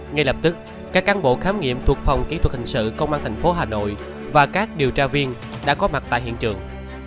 ngay lập tức các cán bộ khám nghiệm thuộc phòng kỹ thuật hình sự công an tp hà nội và các điều tra viên đã có mặt tại hiện trường